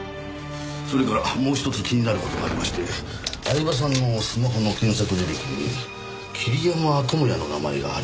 それからもうひとつ気になる事がありまして饗庭さんのスマホの検索履歴に桐山友哉の名前がありました。